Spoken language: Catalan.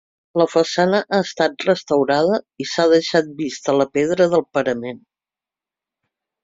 La façana ha estat restaurada i s'ha deixat vista la pedra del parament.